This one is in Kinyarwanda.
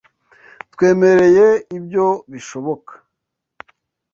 Twemereye ibyo bishoboka.